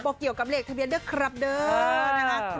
บอกเกี่ยวกับเลขทะเบียนด้วยครับนะคะ